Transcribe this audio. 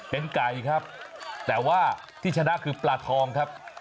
เป็นไก่ครับแต่ว่าที่ชนะคือปลาทองครับ